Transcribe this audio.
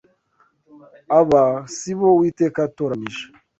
Aba si bo Uwiteka yatoranije”